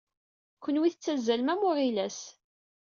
Kenwi tettazzalem am uɣilas.